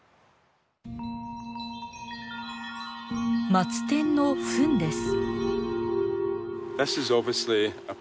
マツテンの糞です。